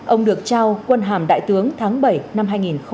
ông được trao quân hàm đại tướng tháng bảy năm hai nghìn bảy